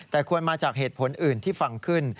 แต่ควรมาจากเหตุผลอื่นที่ฟังขึ้น